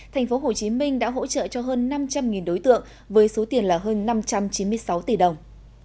tp hcm đã hỗ trợ cho hơn năm trăm linh đối tượng với số tiền là hơn năm trăm chín mươi sáu tỷ đồng